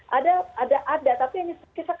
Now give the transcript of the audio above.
jadi ada ada tapi ini sedikit sekali